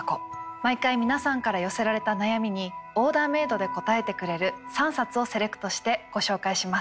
毎回皆さんから寄せられた悩みにオーダーメードで答えてくれる３冊をセレクトしてご紹介します。